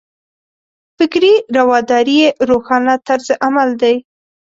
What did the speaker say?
فکري رواداري یې روښانه طرز عمل دی.